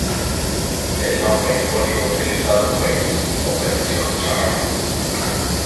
El nombre en código utilizado fue "Operación Charlie".